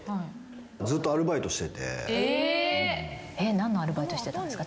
何のアルバイトしてたんですか？